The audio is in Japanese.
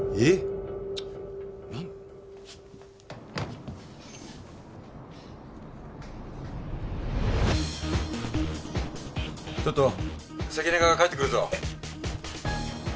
えっ！？